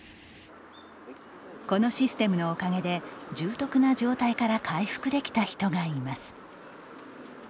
このシステ厶のおかげで重篤な状態から回復できた人がいます。